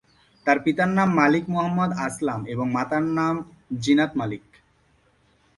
তার পিতার নাম মালিক মোহাম্মদ আসলাম এবং মাতার নাম জিনাত মালিক।